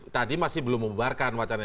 tadi masih belum membuarkan wacannya